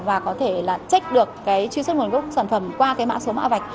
và có thể là check được cái truy xuất nguồn gốc sản phẩm qua cái mã số mạng vạch